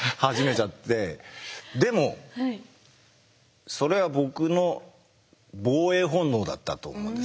でもそれは僕の防衛本能だったと思うんです。